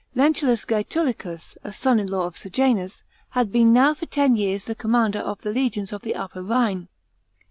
Lentulus Gaatulicns, a son in law of Scjanus, had b« en now for ten years the commander of the legions of the Upper Rhine.